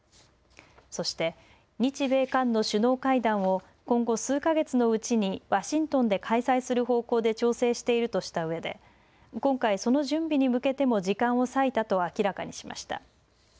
そして日米韓の首脳会談を今後、数か月のうちにワシントンで開催する方向で調整しているとしたうえで今回その準備に向けても時間を割いたと明らかにしました。